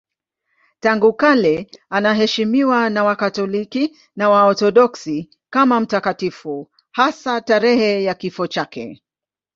Tangu kale anaheshimiwa na Wakatoliki na Waorthodoksi kama mtakatifu, hasa tarehe ya kifo chake.